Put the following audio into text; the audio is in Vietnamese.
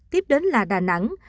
tiếp đến là đà nẵng